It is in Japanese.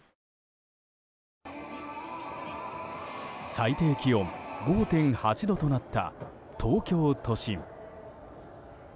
最低気温５．８度となった東京都心。